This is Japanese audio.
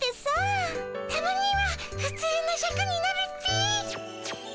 たまにはふつうのシャクになるっピ。